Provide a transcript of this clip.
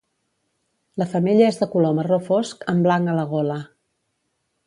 La femella és de color marró fosc amb blanc a la gola.